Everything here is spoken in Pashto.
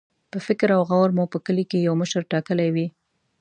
په فکر او غور مو په کلي کې یو مشر ټاکلی وي.